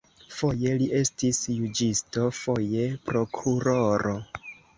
Foje li estis juĝisto, foje prokuroro.